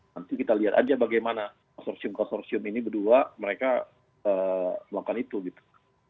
nanti kita lihat aja bagaimana konsorsium konsorsium ini berdua mereka melakukan itu gitu